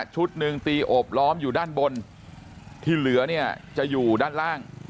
หนึ่งตีโอบล้อมอยู่ด้านบนที่เหลือเนี่ยจะอยู่ด้านล่าง